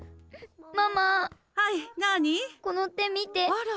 あら。